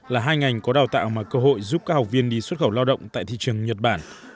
là hai ngành có đào tạo mà cơ hội giúp các học viên đi xuất khẩu lao động tại thị trường nhật bản